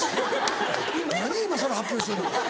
何今さら発表してんの？